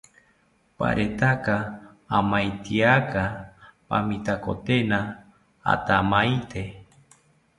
Paretaka amaityaka pamitakotena athamaite